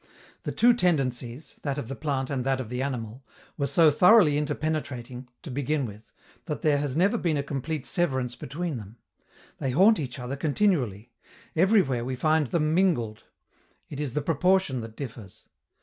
The two tendencies that of the plant and that of the animal were so thoroughly interpenetrating, to begin with, that there has never been a complete severance between them: they haunt each other continually; everywhere we find them mingled; it is the proportion that differs.